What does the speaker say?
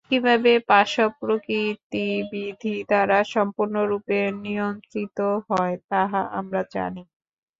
কিভাবে পাশব প্রকৃতি বিধি দ্বারা সম্পূর্ণরূপে নিয়ন্ত্রিত হয়, তাহা আমরা জানি।